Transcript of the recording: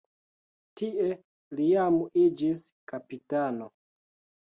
Tie li jam iĝis kapitano.